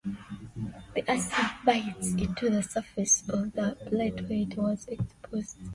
The acid bites into the surface of the plate where it was exposed.